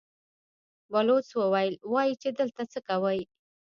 بلوڅ وويل: وايي چې دلته څه کوئ؟